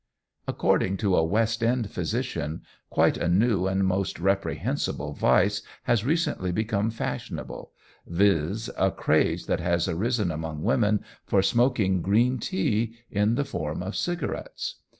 According to a West End physician quite a new and most reprehensible vice has recently become fashionable viz., a craze that has arisen among women for smoking green tea, in the form of cigarettes.